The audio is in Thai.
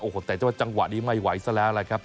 โอ้โหแต่จังหวะนี้ไม่ไหวซะแล้วล่ะครับ